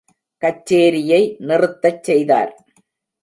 கச்சேரியை நிறுத்தச் செய்தார்.